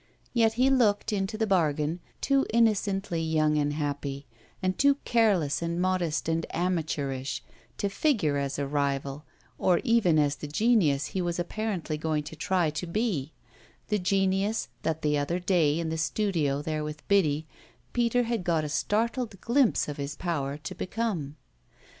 Yet he looked, into the bargain, too innocently young and happy, and too careless and modest and amateurish, to figure as a rival or even as the genius he was apparently going to try to be the genius that the other day, in the studio there with Biddy, Peter had got a startled glimpse of his power to become.